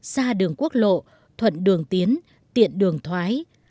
xa đường quốc lộ thuận đường tiến tiện đường thoái